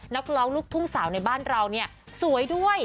นักร้องลูกทุ่งสาวในบ้านเราเนี่ยสวยด้วย